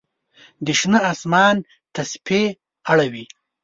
د شنه آسمان تسپې اړوي